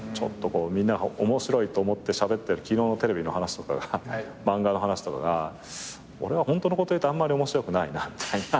みんなが面白いと思ってしゃべってる昨日のテレビの話とかが漫画の話とかが俺はホントのこと言うとあんまり面白くないなみたいな。